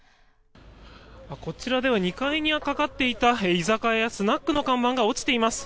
２階にかかっていた居酒屋、スナックの看板が落ちています。